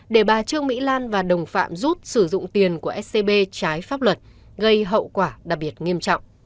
để bà trương mỹ lan và đồng phạm rút sử dụng tiền của scb trái pháp luật gây hậu quả đặc biệt nghiêm trọng